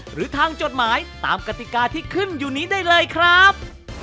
หรือทางจดหมายตามกติกาที่ขึ้นอยู่นี้ได้เลยครับ